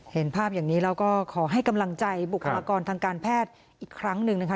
เห็นภาพอย่างนี้แล้วก็ขอให้กำลังใจบุคลากรทางการแพทย์อีกครั้งหนึ่งนะคะ